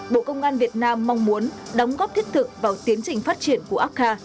bộ công an việt nam mong muốn đóng góp thiết thực vào tiến trình phát triển của apca